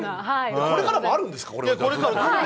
かこれからもあるんですか？